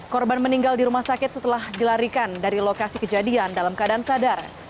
korban meninggal di rumah sakit setelah dilarikan dari lokasi kejadian dalam keadaan sadar